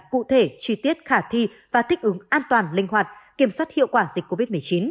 cụ thể chi tiết khả thi và thích ứng an toàn linh hoạt kiểm soát hiệu quả dịch covid một mươi chín